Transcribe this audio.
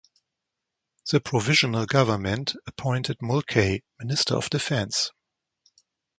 The Provisional Government appointed Mulcahy Minister of Defence.